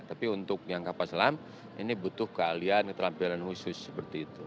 tapi untuk yang kapal selam ini butuh keahlian keterampilan khusus seperti itu